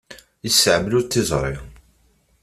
Ad yesteɛmel ur tt-yeẓri.